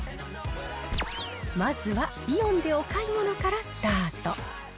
まずはイオンでお買い物からスタート。